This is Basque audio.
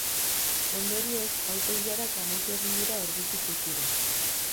Ondorioz, auto-ilarak amaitu egin dira ordutik gutxira.